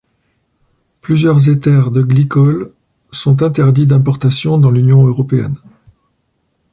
Plusieurs éthers de glycol sont interdits d'importation dans l'Union européenne.